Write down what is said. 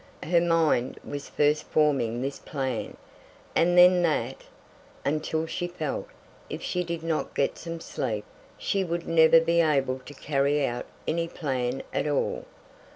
Her mind was first forming this plan, and then that, until she felt, if she did not get some sleep, she would never be able to carry out any plan at all.